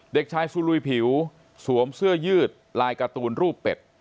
เด็กชายสุลุยผิวสวมเสื้อยืดลายการ์ตูนรูปเป็ด